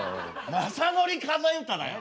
「雅紀数え歌」だよ。